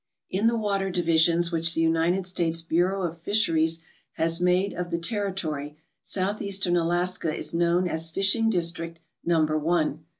In the water divisions which the United States Bureau of Fisheries has made of the territory, Southeastern Alaska is known as Fishing District Number One.